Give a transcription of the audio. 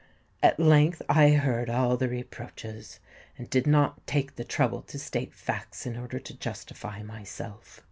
At length I heard all the reproaches, and did not take the trouble to state facts in order to justify myself.